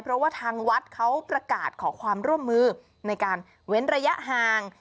เพราะว่าทางวัดเขาประกาศขอความร่วมมือในการเว้นระยะห่าง